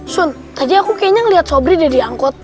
sun tadi aku kayaknya ngeliat sobri udah diangkut